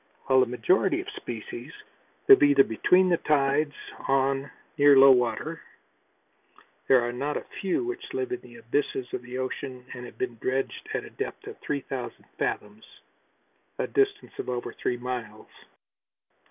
While the majority of species live either between tides on near low water, there are not a few which live in the abysses of the ocean and have been dredged at a depth of three thousand fathoms, a distance of over three miles.